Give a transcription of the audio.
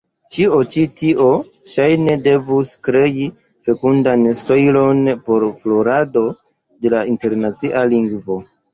Ĉio ĉi tio, ŝajne, devus krei fekundan sojlon por florado de la internacia lingvo.